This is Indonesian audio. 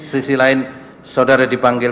sisi lain saudara dipanggil